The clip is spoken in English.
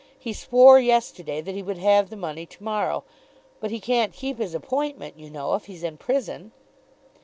He swore yesterday that he would have the money to morrow. But he can't keep his appointment, you know, if he's in prison."